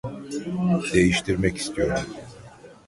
Değiştirmek istiyorum